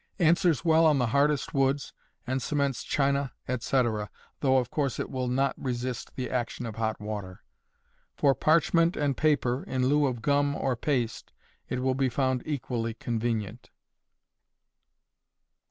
answers well on the hardest woods, and cements china, etc., though, of course, it will not resist the action of hot water. For parchment and paper, in lieu of gum or paste, it will be found equally convenient.